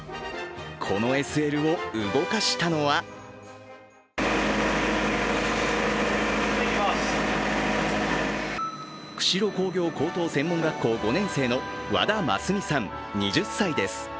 このＳＬを動かしたのは釧路工業高等専門学校５年生の和田真澄さん２０歳です。